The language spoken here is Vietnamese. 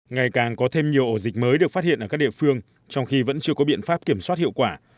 ngày càng có thêm nhiều ổ dịch mới được phát hiện ở các địa phương trong khi vẫn chưa có biện pháp kiểm soát hiệu quả